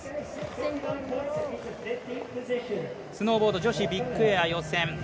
スノーボード女子ビッグエア予選